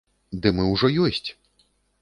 Ды мы ўжо ёсць!